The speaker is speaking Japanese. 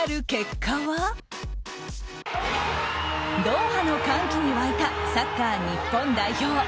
ドーハの歓喜に沸いたサッカー日本代表。